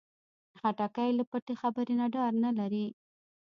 خټکی له پټې خبرې نه ډار نه لري.